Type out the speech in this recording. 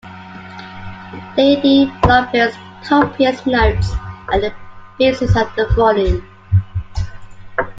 Lady Blomfield's copious notes are the basis of the volume.